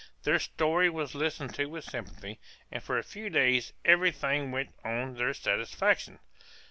Their story was listened to with sympathy, and for a few days every thing went on to their satisfaction.